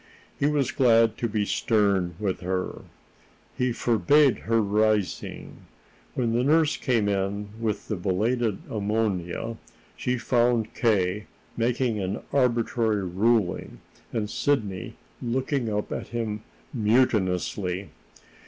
He was glad to be stern with her. He forbade her rising. When the nurse came in with the belated ammonia, she found K. making an arbitrary ruling, and Sidney looking up at him mutinously.